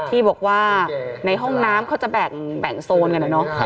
ที่บอกว่าในห้องน้ำเขาจะแบ่งโซนกันนะเนาะ